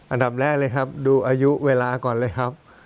อันดับแรกเลยครับดูอายุเวลาก่อนเลยครับ